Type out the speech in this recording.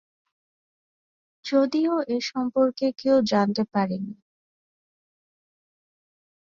যদিও এ সম্পর্কে কেউ জানতে পারেনি।